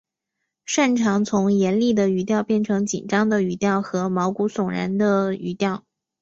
善长从严厉的语调到变成紧张的语调和毛骨悚然的语调。